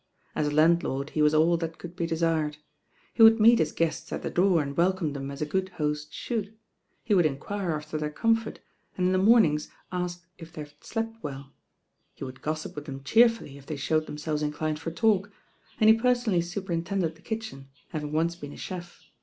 As a landlord he was all that could be desired. He would meet his guests at the door and welcome them as a good host should. He would enquire after their comfort, and in the mornings ask if they had slept well. He would gossip with them cheerfully if they ahowcd them selves inclined for talk, and he personally superin tended the kitchen, having once been a chef.